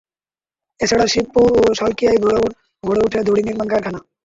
এছাড়া শিবপুর ও সালকিয়ায় গড়ে ওঠে দড়ি নির্মাণ কারখানা।